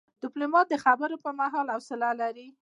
ډيپلومات د خبرو پر مهال حوصله لري.